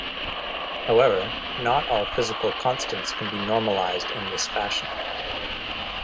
However, not all physical constants can be normalized in this fashion.